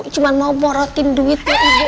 cuma mau morotin duitnya ibu